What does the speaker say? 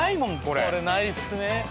これないですね。